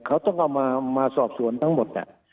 เขาต้องเอามาสอบสวนทั้งหมด